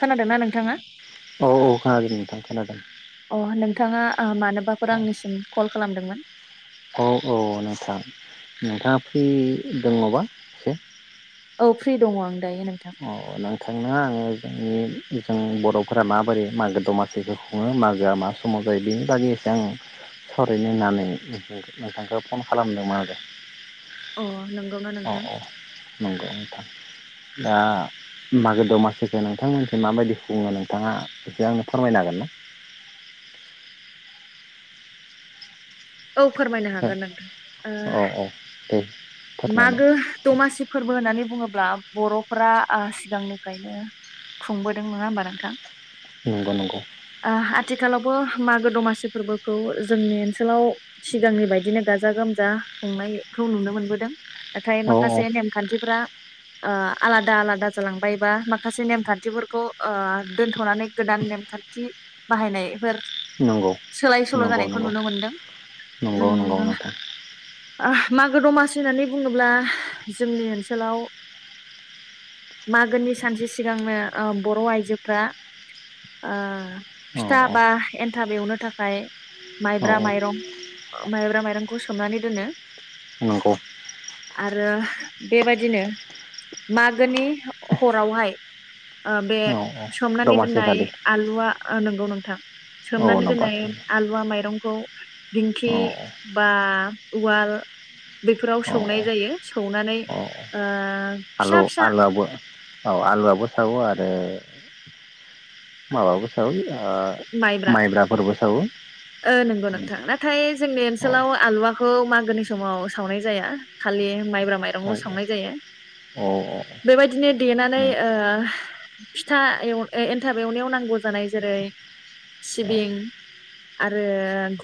खोनादोंना नोंथाङा? औ औ खोनादों नोंथां खोनादों। थाङा ओ मानोबाफोर आंनिसिम कल खालामदोंमोन? औ औ नोंथां नोंथाङा फ्रि दंबा एसे? औ फ्रि दङ आं। दायो नोंथां अ नोंथांनो आङो जोंनि जों बर'फोरा माबोरै मागो दमासिखौ खुङो मागोआ मा समाव जायो बेनि बागै एसो आं सावरायनो होननानै नोंथांखौ फन खालामदोंमोन आरो। अ नंगौना अ नोंथां अ नंगौ नोंथां। दा मागो दमासिखौ नोंथांमोनखौ माबायदि खुङो नोंथाङा बेसे आंनो फोरमायनो हागोन ना? औ फोरमायनो हागोन नोंथां ओ औ औ दे फोरमायनाय मागो दमासि फोरबो होननानै बुङोब्ला बर'फोरा ओ सिगांनिफ्रायनो खुंबोदों नङा होमबा नोंथां? नंगौ नंगौ ओ आथिखालावबो मागो दमासि फोरबोखौ जोंनि ओनसोलाव सिगांनि बायदिनो गाजा गोमजा खुंनायखौ नुनो मोनबोद दों। नाथाय औ औ माखासे नेमखान्थिफ्रा ओ आलादा आलादा जालांबाय बा माखासे नेमखान्थिफोरखौ ओ दोनथ'नानै गोदान नेमखान्थि बाहायनायफोर नंगौ सोलाय सोल' नंगौ जानायखौ नंगौ नुनो मोनदों नंगौ नंगौ ओम नोंथां ओह मागो दमास सि होननानै बुङोब्ला जोंनि ओनसोलाव मागोनि सानसे सिगांनो ओ बर' आइजोफ्रा ओ औ फिथा औ बा एन थाब एवनो थाखाय औ माइब्रा औ माइरं माइब्रा माइरंखौ सोमनानै दोनो। नंगौ। आरो बेबायदिनो मागोनि हरावहाय ओ बे औ औ सोमनानै दमासि दोननाय खालि आलुआ ओ नंगौ नों औ सोमनानै दोननाय नबाथो आलुवा माइरंखौ। दिंखि औ बा उवाल। बेफोराव औ सौनाय जायो सौनानै ओ-। फिसा फिसा आलु-आलुआबो औ आलुआबो सौवो आरो। माबाबो सावो। माइब्रा ओ-माइब्राफोरबो। औ ओ नोंगौ नोंथां नाथाय जोंनि औ ओनसोलाव आलुवाखौ मागो आव गोदोनि समाव सावनाय जाया खालि माइब्रा औ माइरंल' संनाय जायो औ बेबायदिनो देनानै औ ओ फिथा एव ओ एनथाब एवनायाव नांगौ जानाय जेरै- सिबिं, आरो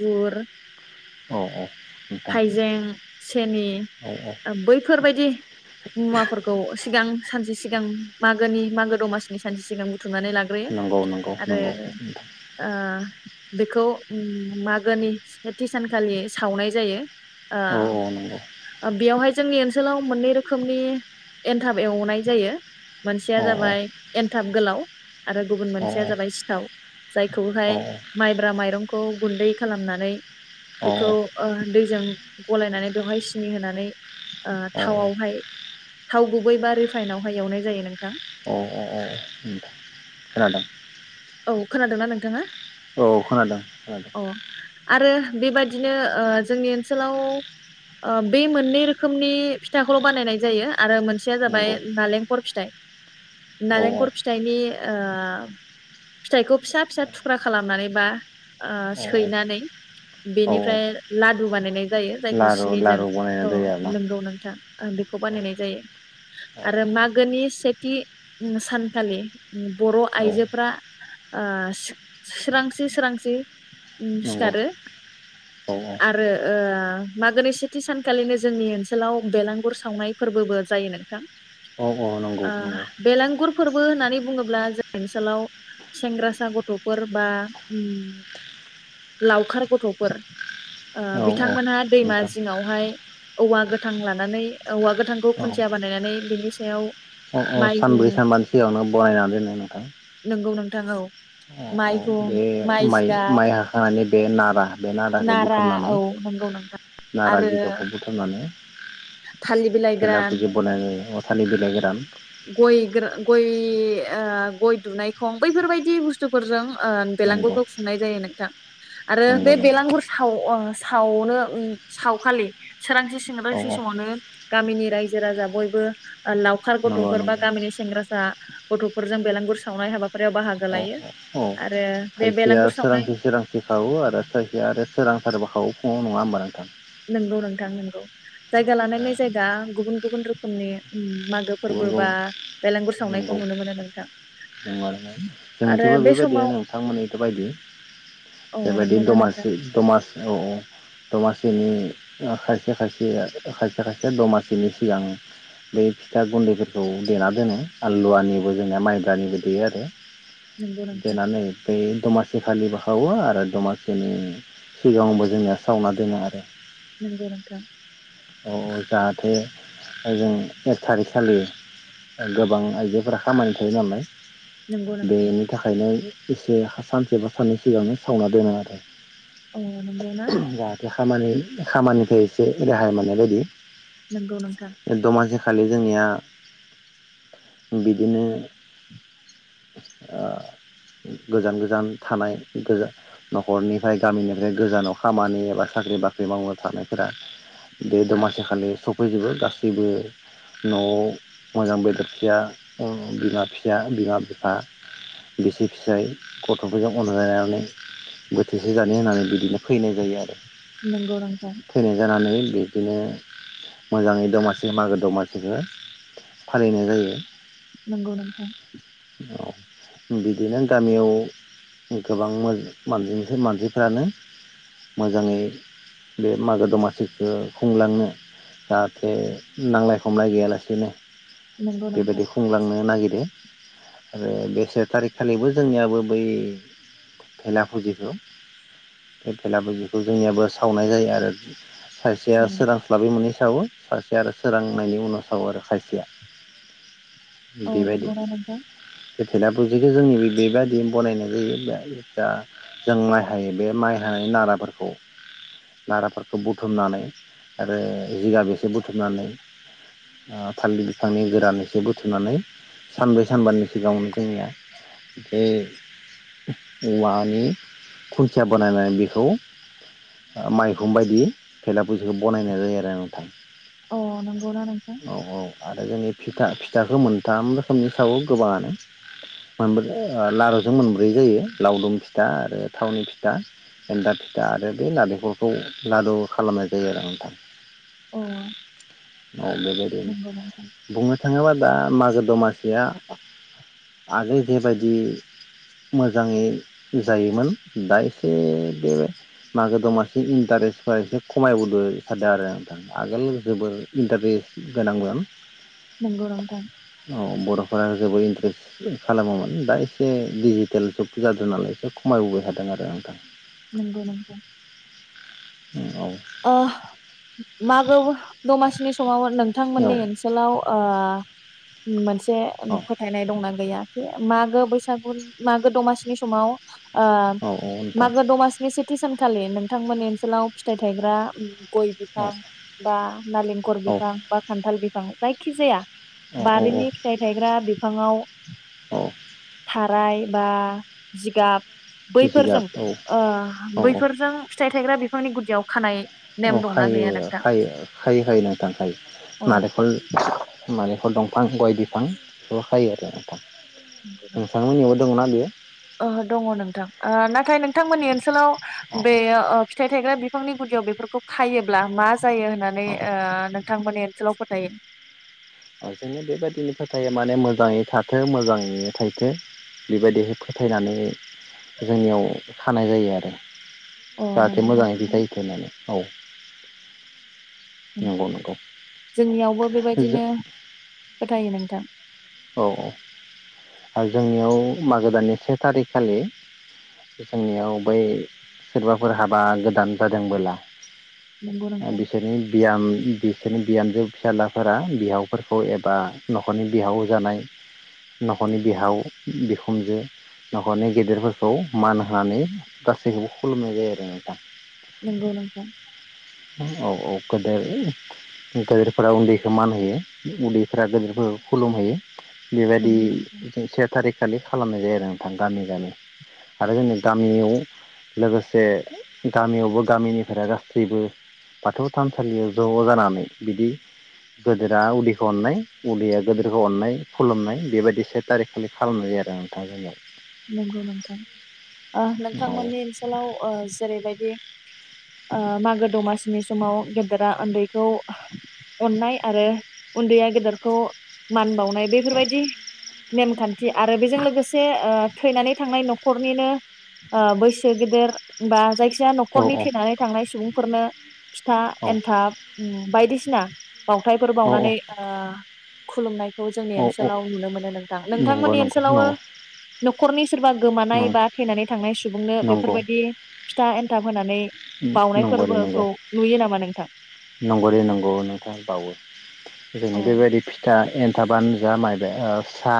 गुर औ औ नोंथां हाइजें, सेनि औ औ ओ बैफोरबायदि मुवाफोरखौ सिगां सानसे सिगां मागोनि मागो दमासिनि सानसे सिगां बुथुमनानै लाग्रोयो। नंगौ नंगौ आरो नंगौ नोंथां ओ बेखौ मागोनि सेथि सानखालि सावनाय जायो ओ औ औ नंगौ बेयावहाय जोंनि ओनसोलाव मोननै रोखोमनि एन्थाब एवनाय जायो। मोनसेया औ जाबाय एन थाब गोलाव आरो गुबुन औ मोनसेया जाबाय सिथाव। औ जायखौहाय माइब्रा माइ माइरंखौ गुन्दै खालामनानै औ बेखौ ओ दैजों गलायनानै बेवहाय सिनि होनानै ओ‌ औ थावआवहाय थाव गुबै बा रिफाइनवहाय एवनाय जायो नोंथां। औ औ खोनादों औ खोनादोंना नोंथाङा? औ खोनादों, खोनादों। अ आरो बेबादिनो ओ जोंनि ओनसोलाव ओ बे मोननै रोखोमनि फिथाखौल' बानायनाय जायो आरो मोनसेया जाबाय नंगौ नालेंखर फिथाइ, औ औ नालेंखर फिथाइनि ओ फिथाइखौ फिसा-फिसा थुख्रा खालामनानै बा औ सैनानै औ औ बेनिफ्राय लादु बानायनाय जायो जायखौ लारु सिनिजों लारु औ, बानायनाय जायो आरोना नोंगौ नोंथां। ओ बेखौ बानायनाय जायो आरो मागोनि सेथि सानखालि बर' औ आइजोफ्रा ओ सो-सोरांसि सोरांसि नंगौ सिखारो औ आरो ओ मागोनि सेथि सानखालिनो जोंनि ओनसोलाव बेलांगुर सावनाय फोरबोबो जायो नोंथां। औ औ नंगौ ओ नंगौ बेलांगुर फोरबो होननानै बुङोब्ला जोंनि ओनसोलाव सेंग्रासा गथ'फोर बा लावखार गथ'फोर ओ औ बिथांमोनहा दैमा नोंथां जिङावहाय औवा गोथां लानानै औवा गोथांखौ औ खुन्थिया बानायनानै बिनि सायाव अ अ माइहुं सानब्रै सानबानि सिगाङावनो बनायनानै दोनो नोंथां। नोंगौ। अ बे माइ माइ हाखांनानै बे नारा बे नार नारा औ नंगौ नोंथां नारा आरो जिगाबखौ बुथुमनानै थालिर बिलाइ थेला ग्रान बुजि बनायनाय जायो अ थालिर बिलाइ गोरान गय गोरा गय ओ गय दुनाय खं बैफोरबायदि बुस्थुजों ओ नंगौ बेलांगुरखौ खुंनाय जायो नोंथां आरो नंगौ नंगौ बेलांगुर साव ओ सावनो सावखालि सोरांसि औ सांसि औ समावनो गामिनि रायजो राजा बयबो लावखार नंगौ गथ'फोर बा नंगौ गामिनि सेंग्रासा गथ'फोरजों बेलांगुर सावनाय हाबाफारियाव बाहागो औ लायो औ आरो बे खायसेया बेलांगुर सावनाय सोरांसि सोरांसि सावो आरो खायसेया आरो सोरां सोरबाखौ फुड़ाव नङाहोमबा नोंथां? नंगौ नोंथां नोंगौ। जायगा औ लानानै जायगा गुबुन गुबुन रोखोमनि उम मागो गुबुन फोरबो बा गुबुन बेलेंगुर नंगौ सावनायखौ नुनो मोनो नोंथां। आरोना आरो जोंथिबो बे बेबायदि समाव नोंथांमोनिथ' बायदि अ बेबायदि नंगौना नोंथां दमासि दमासि औ औ दमासि बेनि खायसे खायसे खायसे खायसे दमासिनि सिगां बै फिथा गुन्दैफोरखौ देना दोनङो आलुवानिबो जोंनिना माइब्रानिबो देयो आरो। नंगौ नोंथां देनानै बे दमास सेखालिबो खावो आरो दमासिनि सिगाङबो जोंनिया सावना दोनो आरो। नंगौ नोंथां अ अ जाहाथे ओजों एक थारिखखालि गोबां आइजोफोरा खामानि थायो नालाय नंगौ नोंथां बेनि थाखायनो एसे सानसे बा साननै सिगांनो सावना दोनो आरो। अ नंगौना? जाहाथे खामानि खामानिफ्राय एसे रेहाय मोननाय बायदि। नंगौ नोंथां। दमासि खालि जोंनिया बिदिनो ओ गोजान गोजान थानाय गो न'खरनिफ्राय गामिनिफ्राय गोजानाव खामानि एबा साख्रि बाख्रि मावनो थानायफोरा बे दमासि खालि सफैजोबो गासैबो न'आव मोजां बेदर फिसा उम बिमा फिसा बिमा बिफा बिसि फिसाय गथ'फोरजों अनलायनानै बोथिसे जानो होननानै बिदिनो फैनाय जायो आरो। नंगौ नोंथां थैनाय जानानै बे बिदिनो मोजाङै दमासि मागो दमासिखौ फालिनाय जायो। नंगौ नोंथां औ बिदिनो गामियाव गोबांमोन मानिस मानसिफ्रानो मोजाङै बे मागो दमासिखौ खुंलांनो जाहाथे नांलाय खमलाय गैयालासेनो नंगौ बेबायदि नोंथां खुंलांनो नागिरो। आरो बे से थारिख खालिबो जोंनियाबो बै भेला फुजिखौ बे भेला फुजिखौ जोंनियाबो सावनाय जायो आरो खायसेया अ सोरांस्लाबै मोनै सावो। सासे आरो सोरांनायनि उनाव सावो आरो खायसेया। औ बेबायदि नंगौना नोंथां? बे भेला फुजिखौ जोंनि बेबायदि बनायनाय जायो जा जा जों माइ हायो बे माइ हानाय नाराफोरखौ नाराफोरखौ बुथुमनानै आरो जिगाब एसे बुथुमनानै ओ थालिर बिफांनि गोरान एसे बुथुमनानै सानब्रै सानबानि सिगाङावनो जोंनिया बे औवानि खुन्थिया बनायनानै बेखौ ओ माइहुम बायदि थेला फुजिखौ बानायनाय जायो आरो नोंथां अ नंगौना नोंथां? औ औ फिथा फिथाखो मोनथाम समनि सावो गोबाङानो मोनबोदों ओ लारुजों मोनब्रै जायो लावदुम फिथा आरो थावनि फिथा एन्थाब फिथा आरो बे नालेखरखौ लारु खालामनाय जायो आरो नोंथां। अ औ नंगौ नोंथां बेबायदिनो बुंनो थाङोबा दा मागो दमास सिया आगोल जेबायदि मोजाङै जायोमोन दा एसे बे मागो दमासि इन्टारेस्टफ्रा एसे खमायबोबाय थादों आरो नोंथां आगोल जोबोर इन्टारेस्ट गोनांमोन। नोंगौ नोंथां। औ बर'फोरा जोबोद इन्टारेस्ट खालामोमोन दा एसे डिजिटेल जुग जादों नालाय एसे खमायबोबाय थादों आरो नोंथां। नंगौ नंगौ। औ ओ मागोआबो दमासिनिस समावबोद औ नोंथांमोननि ओनसोलाव ओ मोनसे औ फोथायनाय दंना गैया खि मा गो बैसागु मागो दमासिनि समाव आ औ औ नोंथां मागो दमासिनि सेथि सानखालि नोंथांमोननि ओनसोलाव फिथाइ थायग्रा गय औ बिफां बा नालेंखर औ बिफां बा खान्थाल बिफां जायखिजाया औ औ बारिनि फिथाइ थायग्रा बिफाङाव औ थाराय बा जिगाब जिगाब बैफोरजों औ ओ औ बैफोरजों फिथाइ थायग्रा बिफांनि गुदियाव खानाय औ नेम दंना खायो गैया नोंथां? खायो खायो खायो नोंथां औ अ नारेखल माने खल दंफां गय बिफांफ्राव खायो आरो नोंथां नोंथां मोननियावबो दं ना बियो ओहो दङ नोंथां ओ नाथाय नोंथांमोननि ओनसोलाव औ बेयो ओ‌ फिथाइ थायग्रा बिफांनि गुदियाव बेफोरखौ खायोब्ला माज जायो होननानै औ ओ नोंथां मोनिद सोलाव फोथायो ओ जोंनि बेबायदिनो फोथायो माने मोजाङै थाथों मोजाङै थाइथो बेबायदिनो फोथायनानै जोंनियाव खानाय जायो आरो अ जाहाथे नंगौना मोजाङै नोंथां? बिथाय होथों होननानै औ अम नंगौ नंगौ जोंनियावबो बेबायदिनो फोथायो नोंथां औ औ आरो जोंनियाव मागो दाननि से थारिखखालि जोंनियाव बै सोरबाफोर हाबा गोदान जादोंबोला नंगौ ओ नोंथां बिसोरनि बियाम बिसोरनि बिहामजो फिसाजलाफोरा बिहावफोरखौ एबा न'खरनि बिहाव जानाय नखरनि बिहाव बिखुनजो न'खरनि गेदेरफोरखौ मान होनानै गासैखौबो खुलुमनाय जायो आरो नोंथां। नंगौ नोंथां गोदेर गेदेरफोरा उन्दैखौ मान होयो उन्दैफोरा गेदेरफोरखौ खुलुम होयो। बेबायदि नंगौ नोंथां से थारिख खालि खालामनाय जायो। नोंथां गामि-गामि आरो जोंनि गामियाव लोगोसे गामियावबो गामिनिफोरा गासैबो बाथौ थानसालियाव ज' जानानै बिदि गोदोरा उदैखौ अननाय उदैया गदिरखौ अननाय खुलुमनाय बेबायदि से थारिखखालि खालामनाय जायो आरो नोंथां जोंनियाव नंगौ नोंथां ओ औ नोंथांमोननि ओनसोलाव ओ जेरैबायदि ओ मागो दमासिनि समाव गेदेरा उन्दैखौ अननाय आरो उन्दैया गेदेरखौ मान बाव नाय बेफोरबायदि नेमखान्थि आरो बेजों लोगोसे ओ थैनानै थांनाय न'खरनिनो ओ बैसो गेदेर बा जायखिया औ न'खरनि औ थैनानै थांनाय सुबुंफोरनो फिथा औ एन्थाब बायदिसिना बावथायफोर बावनानै औ ओ खुलुमनाय खौ जोंनि औ औ ओनसोलाव नुनो मोनो नोंथां नंगौ नोंथांमोननि नंगौ ओनसोलावो नखरनि सि सोरबा गोमानाय बा थैनानै थांनाय सुबुंनो नंगौ नंगौ बेफोरबायदि फिथा एन्थाब होनानै बावनाय नंगौ दे नंगौ फोरबोखौ नुयो नामा नोंथां नंगौ दे नंगौ नोंथाङ बावो जोंनि औ बेबायदि फिथा एन थाबानो जा माइब सा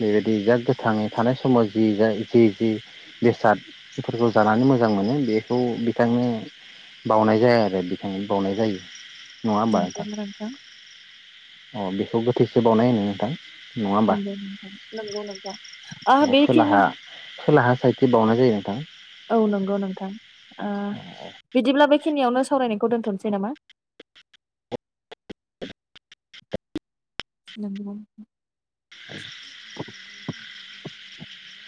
बेबायदि जा गोथाङै थानाय समाव जि जों जि-जि बेसादफोरखौ जानानै मोजां मोनो बेखौ बिथांनो बावनाय जाया आरो बिथाङा बावनाय जायो। नंगौना नोंथां अ बेखौबो गोथैसो बावनाय होनो नोंथां नङा होमबा नंगौ नोंथां नंगौ नोंथा आ बे खिनि साइटि बावनाय जायो नोंथां औ नंगौ नोंथां ओ बिदिब्ला बे खिनियावनो सावरायनायखौ दोनथ'नोसै नामा? नंगौ द [unintelligible]